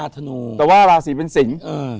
แต่ลาศีเป็นสิง